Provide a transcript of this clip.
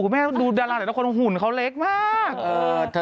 คุณแองดูดาราแต่ละคนหุ่นของเขาเล็กมากเออ